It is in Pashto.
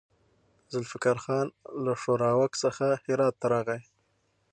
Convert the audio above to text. ذوالفقار خان له ښوراوک څخه هرات ته راغی.